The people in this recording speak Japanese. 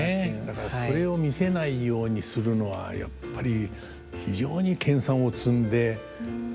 だからそれを見せないようにするのはやっぱり非常に研鑽を積んでやらないと。